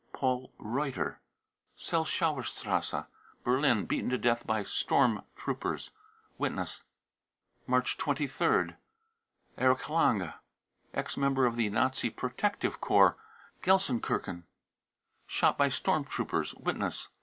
1 " paul reuter, Selchowerstrasse, Berlin, beaten to death by storm troopers. (Witness.) March 23rd." erich lange, ex member of the Nazi protective corps, Gelsenkirchen, shot by storm troopers. (Witness.)